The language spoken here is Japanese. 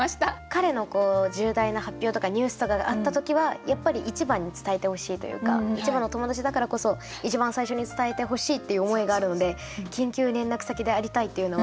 彼の重大な発表とかニュースとかがあった時はやっぱり一番に伝えてほしいというか一番の友達だからこそ一番最初に伝えてほしいっていう思いがあるので「緊急連絡先でありたい」っていうのは